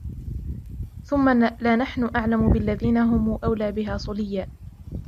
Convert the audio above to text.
ثم لنحن أعلم بالذين هم أولى بها صليا